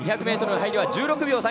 ２００ｍの入りは１６秒３１。